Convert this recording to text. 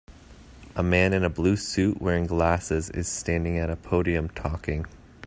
A man in a blue suit wearing glasses is standing at a podium talking.